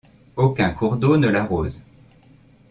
Aucun cours d'eau ne l'arrose.